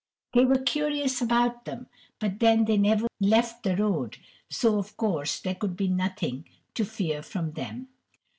They were curious about them, but then they never left the road, so of course there could be nothing to fear from them.